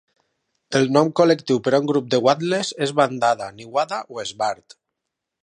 El nom col·lectiu per a un grup de guatlles és bandada, niuada o esbart.